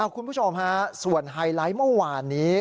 คุณผู้ชมฮะส่วนไฮไลท์เมื่อวานนี้